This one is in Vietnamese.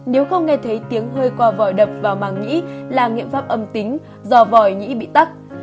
nếu không nghe thấy tiếng hơi qua vòi đập vào màng nhĩ là nghiệm pháp âm tính do vòi nhĩ bị tắt